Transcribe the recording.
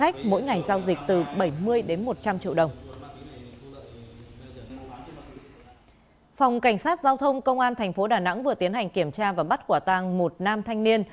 cảnh sát giao thông công an thành phố đà nẵng vừa tiến hành kiểm tra và bắt quả tàng một nam thanh niên